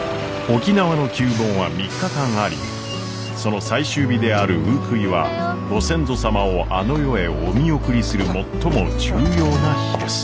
沖縄の旧盆は３日間ありその最終日である「ウークイ」はご先祖様をあの世へお見送りする最も重要な日です。